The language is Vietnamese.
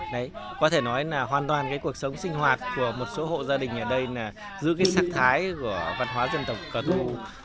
đấy có thể nói là hoàn toàn cái cuộc sống sinh hoạt của một số hộ gia đình ở đây là giữ cái sắc thái của văn hóa dân tộc cờ đô